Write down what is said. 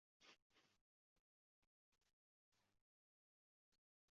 U Pekinda ishlaydi